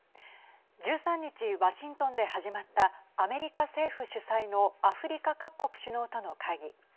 １３日ワシントンで始まったアメリカ政府主催のアフリカ各国首脳との会議。